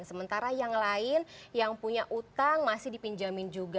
sementara yang lain yang punya utang masih dipinjamin juga